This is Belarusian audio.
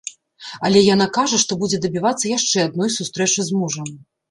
Але яна кажа, што будзе дабівацца яшчэ адной сустрэчы з мужам.